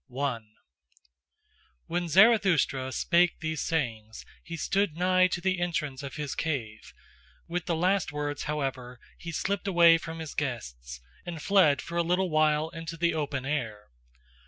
1. When Zarathustra spake these sayings, he stood nigh to the entrance of his cave; with the last words, however, he slipped away from his guests, and fled for a little while into the open air.